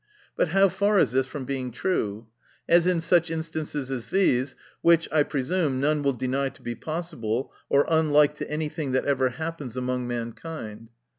But how far is this from being true ? As, in such instances as these, which, I presume, none will deny to be possible, or unlike to any thing that happens among mankind.